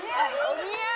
お似合い。